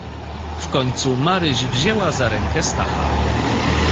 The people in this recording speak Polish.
"W końcu Maryś wzięła za rękę Stacha."